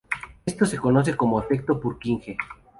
Esto se conoce como efecto Purkinje.